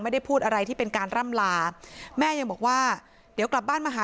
ไม่ได้พูดอะไรที่เป็นการร่ำลาแม่ยังบอกว่าเดี๋ยวกลับบ้านมาหา